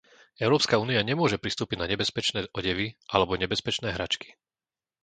Európska únia nemôže pristúpiť na nebezpečné odevy alebo nebezpečné hračky.